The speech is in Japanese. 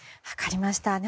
分かりました。